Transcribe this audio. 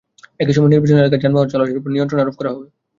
একই সময়ে নির্বাচনী এলাকায় যানবাহন চলাচলের ওপর নিয়ন্ত্রণ আরোপ করা হবে।